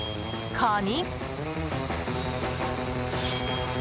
カニ！